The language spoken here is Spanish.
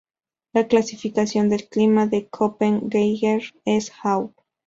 La clasificación del clima de Köppen-Geiger es Aw.